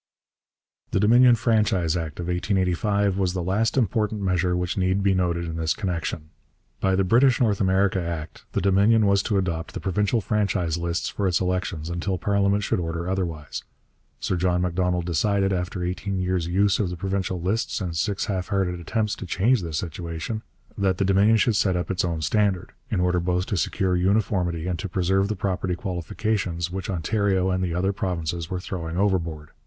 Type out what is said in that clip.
The Dominion Franchise Act of 1885 was the last important measure which need be noted in this connection. By the British North America Act the Dominion was to adopt the provincial franchise lists for its elections until parliament should order otherwise. Sir John Macdonald decided, after eighteen years' use of the provincial lists and six half hearted attempts to change this situation, that the Dominion should set up its own standard, in order both to secure uniformity and to preserve the property qualifications which Ontario and the other provinces were throwing overboard.